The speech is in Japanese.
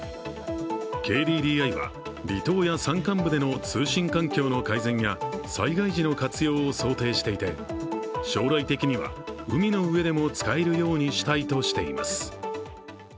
ＫＤＤＩは離島や山間部での通信環境の使用や災害時の活用を想定していて、将来的には海の上でも使えるようにしたいとしています。